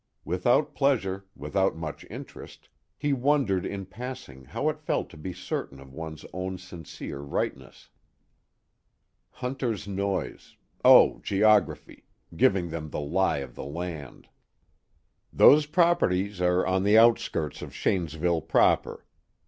Without pleasure, without much interest, he wondered in passing how it felt to be certain of one's own serene rightness. Hunter's noise oh, geography. Giving them the lie of the land. "Those properties are on the outskirts of Shanesville proper.